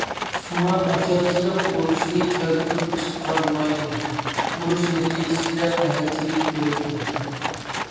شۇڭا ئاچارچىلىق ئۇرۇشنى كەلتۈرۈپ چىقارمايدۇ، ئۇرۇش نەتىجىسىدە قەھەتچىلىك كۆرۈلىدۇ.